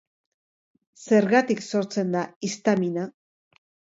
Zergatik sortzen da histamina?